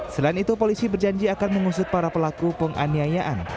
selain itu polisi berjanji akan mengusut para pelaku penganiayaan